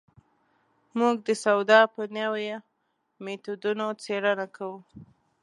موږ د سودا په نویو مېتودونو څېړنه کوو.